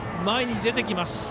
前に出てきます。